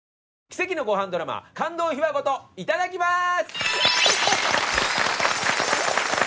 『奇跡のごはんドラマ感動秘話ごといただきます』！